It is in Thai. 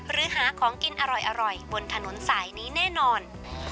หรือหาของกินอร่อยบนถนนสายนี้แน่นอน